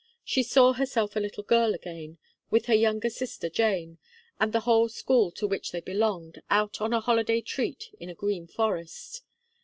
She saw herself a little girl again, with her younger sister Jane, and the whole school to which they belonged, out on a holiday treat in a green forest.